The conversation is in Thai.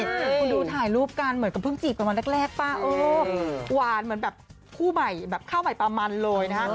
คุณดูถ่ายรูปกันเหมือนกับเพิ่งจีบกันวันแรกป่ะเออหวานเหมือนแบบคู่ใหม่แบบข้าวใหม่ปลามันเลยนะฮะ